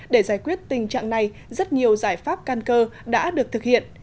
để giải quyết tình trạng này rất nhiều giải pháp can cơ đã được thực hiện